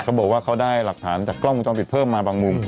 เขาบอกว่าเขาได้หลักฐานจากกล้องวงจรปิดเพิ่มมาบางมุม